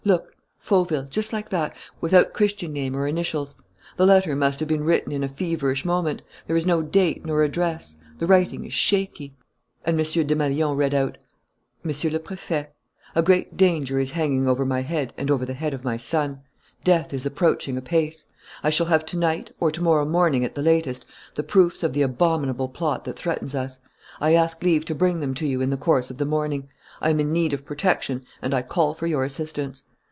Look, 'Fauville,' just like that, without Christian name or initials. The letter must have been written in a feverish moment: there is no date nor address.... The writing is shaky " And M. Desmalions read out: "MONSIEUR LE PRÉFET: "A great danger is hanging over my head and over the head of my son. Death is approaching apace. I shall have to night, or to morrow morning at the latest, the proofs of the abominable plot that threatens us. I ask leave to bring them to you in the course of the morning. I am in need of protection and I call for your assistance.